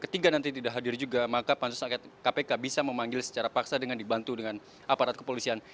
ketika nanti tidak hadir juga maka pansus angket kpk bisa memanggil secara paksa dengan dibantu dengan aparat kepolisian